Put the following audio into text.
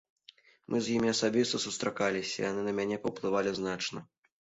Мы з імі асабіста сустракаліся, яны на мяне паўплывалі значна.